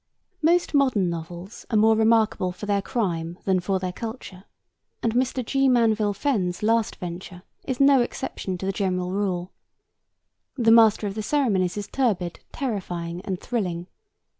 Most modern novels are more remarkable for their crime than for their culture, and Mr. G. Manville Fenn's last venture is no exception to the general rule. The Master of the Ceremonies is turbid, terrifying and thrilling.